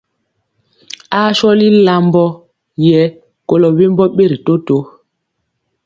Aa sɔli lambɔ yɛ kolɔ wembɔ ɓeri toto.